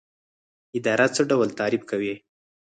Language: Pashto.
اداره څه ډول تعریف کوئ؟